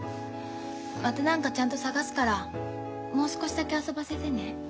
また何かちゃんと探すからもう少しだけ遊ばせてね。